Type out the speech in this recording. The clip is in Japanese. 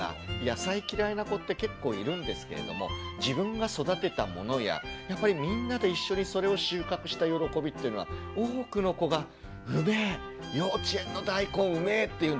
野菜嫌いな子って結構いるんですけれども自分が育てたものややっぱりみんなで一緒にそれを収穫した喜びっていうのは多くの子が「うめえ幼稚園の大根うめえ」って言うんです。